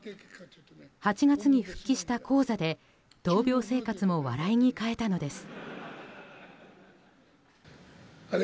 ８月に復帰した高座で闘病生活も笑いに変えたのです。